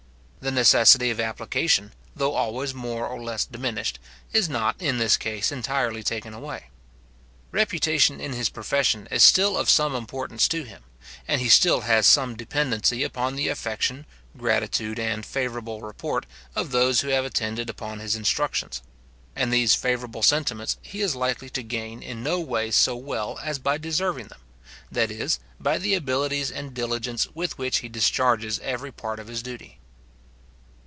The necessity of application, though always more or less diminished, is not, in this case, entirely taken away. Reputation in his profession is still of some importance to him, and he still has some dependency upon the affection, gratitude, and favourable report of those who have attended upon his instructions; and these favourable sentiments he is likely to gain in no way so well as by deserving them, that is, by the abilities and diligence with which he discharges every part of his duty.